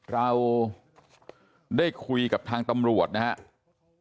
เราได้คุยกับทางตำรวจนะครับ